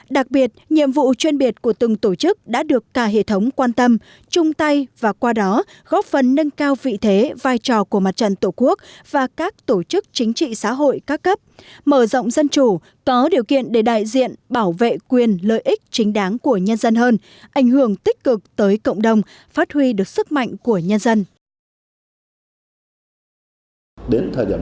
đặc biệt nhiệm vụ chuyên biệt của từng tổ chức đã được cả hệ thống quan tâm chung tay và qua đó góp phần nâng cao vị thế vai trò của mặt trận tổ quốc và các tổ chức chính trị xã hội ca cấp mở rộng dân chủ có điều kiện để đại diện bảo vệ quyền lợi ích chính đáng của nhân dân hơn ảnh hưởng tích cực tới cộng đồng phát huy được sức mạnh của nhân dân